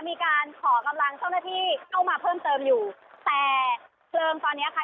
มีการขอกำลังเจ้าหน้าที่เข้ามาเพิ่มเติมอยู่แต่เพลิงตอนเนี้ยค่ะ